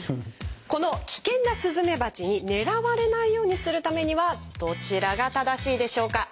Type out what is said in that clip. この危険なスズメバチに狙われないようにするためにはどちらが正しいでしょうか？